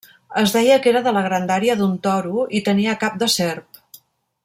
Es deia que era de la grandària d'un toro i tenia cap de serp.